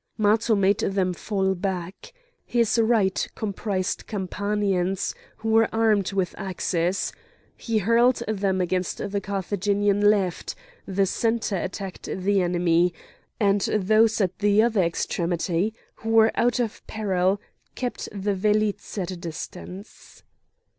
Matho made them fall back. His right comprised Campanians, who were armed with axes; he hurled them against the Carthaginian left; the centre attacked the enemy, and those at the other extremity, who were out of peril, kept the velites at a distance.